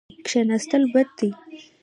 کښېناستل بد دي.